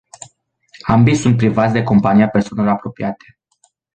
Ambii sunt privați de compania persoanelor apropiate.